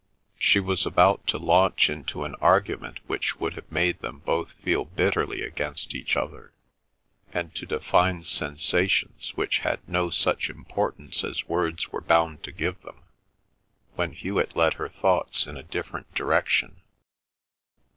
She was about to launch into an argument which would have made them both feel bitterly against each other, and to define sensations which had no such importance as words were bound to give them when Hewet led her thoughts in a different direction.